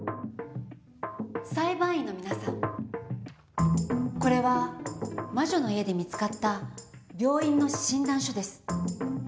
裁判員の皆さんこれは魔女の家で見つかった病院の診断書です。